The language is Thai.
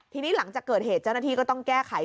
ทีนี้หลังจากเกิดเหตุเจ้าหน้าที่ก็ต้องแก้ไข